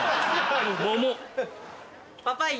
桃。